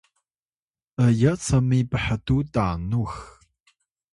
’yat sami phtuw tanux